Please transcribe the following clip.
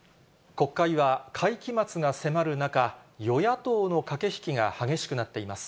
国会は、会期末が迫る中、与野党の駆け引きが激しくなっています。